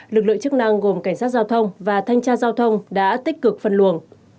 lực lượng chức năng gồm cảnh sát giao thông và thanh tra giao thông đã tích cực phân luồng